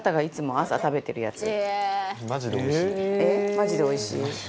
マジでおいしい？